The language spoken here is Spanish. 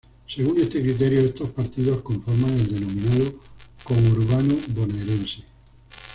Según este criterio, estos partidos conforman el denominado Conurbano bonaerense.